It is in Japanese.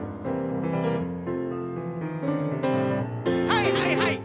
はいはいはい！